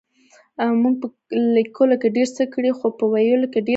مونږ په لکيلو کې ډير څه کړي خو په ويلو کې ډير پاتې يو.